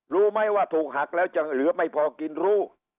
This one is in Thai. รู้ไหมว่าถูกหักแล้วจะเหลือไม่พอกินรู้